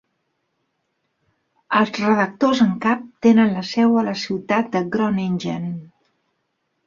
Els redactors en cap tenen la seu a la ciutat de Groningen.